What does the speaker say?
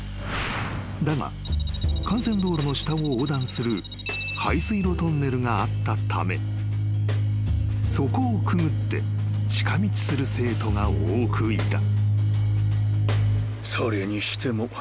［だが幹線道路の下を横断する排水路トンネルがあったためそこをくぐって近道する生徒が多くいた］